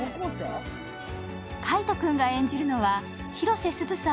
海音君が演じるのは広瀬すずさん